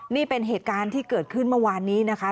นี่เป็นเหตุการณ์ที่เกิดขึ้นเมื่อวานนี้นะคะ